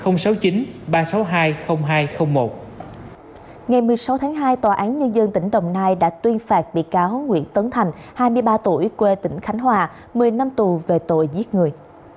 ngày một mươi sáu tháng hai tòa án nhân dân tỉnh đồng nai đã tuyên phạt bị cáo nguyễn tấn thành hai mươi ba tuổi quê tỉnh khánh hòa một mươi năm tù về tội giết người